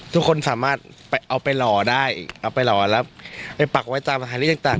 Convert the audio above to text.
ทุกคนสามารถเอาไปหล่อได้เอาไปหล่อแล้วไปปักไว้ตามอาหารที่ต่าง